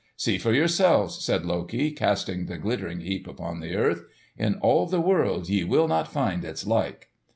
"See for yourselves!" said Loki, casting the glittering heap upon the earth. "In all the world ye will not find its like."